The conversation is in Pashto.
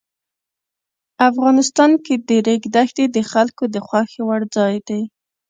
افغانستان کې د ریګ دښتې د خلکو د خوښې وړ ځای دی.